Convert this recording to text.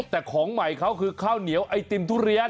แต่ของใหม่เขาคือข้าวเหนียวไอติมทุเรียน